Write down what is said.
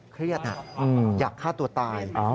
เครียดอยากฆ่าตัวตาย